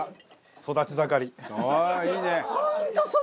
ああいいね。